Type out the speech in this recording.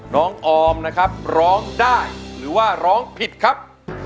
ออมนะครับร้องได้หรือว่าร้องผิดครับ